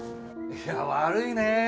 いや悪いね。